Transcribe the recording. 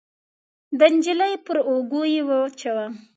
د نجلۍ پر اوږو يې واچاوه.